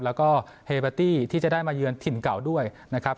แล้วก็เฮเบอร์ตี้ที่จะได้มาเยือนถิ่นเก่าด้วยนะครับ